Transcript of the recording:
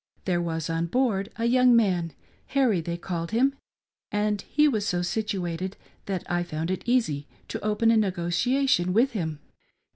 There was on board a young man — Harry, they called him, — and he was so situated that I found it easy to open a negotiation with him.